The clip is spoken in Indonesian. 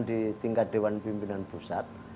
di tingkat dewan pimpinan pusat